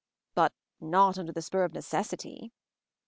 "But not under the spur of necessity."